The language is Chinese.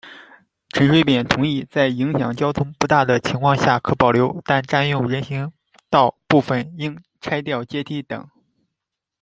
陈水扁同意在影响交通不大的情况下可保留，但占用人行道部分应拆掉阶梯等。